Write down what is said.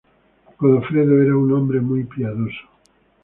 Godofredo era un hombre muy piadoso.